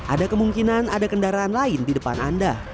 ada kemungkinan ada kendaraan lain di depan anda